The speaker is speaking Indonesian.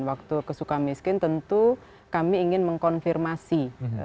waktu ke suka miskin tentu kami ingin mengkonfirmasi